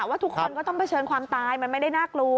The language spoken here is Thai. ว่าทุกคนก็ต้องเผชิญความตายมันไม่ได้น่ากลัว